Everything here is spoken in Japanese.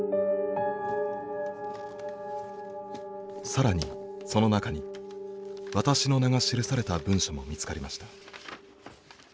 更にその中に私の名が記された文書も見つかりました。